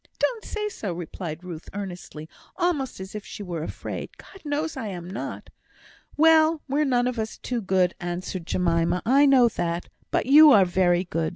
"Don't say so," replied Ruth, earnestly, almost as if she were afraid. "God knows I am not." "Well! we're none of us too good," answered Jemima; "I know that. But you are very good.